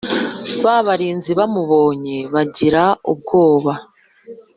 Ba barinzi bamubonye bagira ubwoba